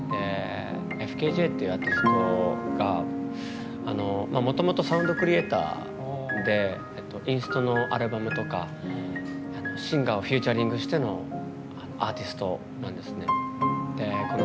ＦＫＪっていうアーティストがもともとサウンドクリエーターでインストのアルバムとかシンガーをフューチャリングしてのアーティストなんですね。